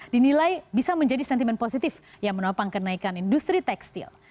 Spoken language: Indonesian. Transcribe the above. dinilai bisa menjadi sentimen positif yang menopang kenaikan industri tekstil